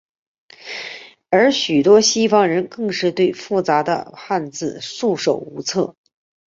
而许多西方人更是对复杂的汉字束手无策。